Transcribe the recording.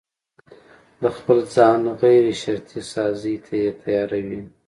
د خپل ځان غيرشرطي سازي ته يې تياروي.